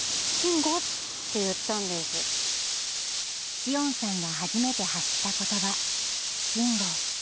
詩音さんが初めて発したことば、しんご。